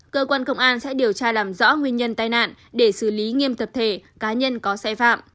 cơ quan công an sẽ điều tra làm rõ nguyên nhân tai nạn để xử lý nghiêm tập thể cá nhân có xe phạm